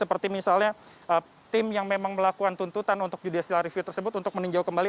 seperti misalnya tim yang memang melakukan tuntutan untuk judicial review tersebut untuk meninjau kembali